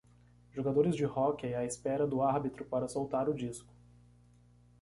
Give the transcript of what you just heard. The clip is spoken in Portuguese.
Jogadores de hóquei à espera do árbitro para soltar o disco